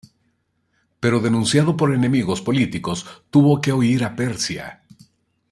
Pero denunciado por enemigos políticos tuvo que huir a Persia.